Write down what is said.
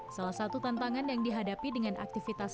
salah satu tantangan yang dihadapi dengan aktivitas